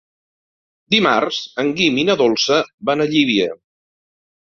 Dimarts en Guim i na Dolça van a Llívia.